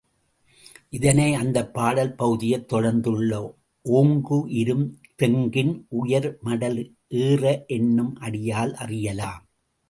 இதனை, அந்தப் பாடல் பகுதியைத் தொடர்ந்துள்ள ஓங்கு இரும் தெங்கின் உயர்மடல் ஏற என்னும் அடியால் அறியலாம்.